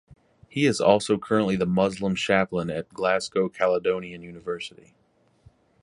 He is also currently the Muslim Chaplain at Glasgow Caledonian University.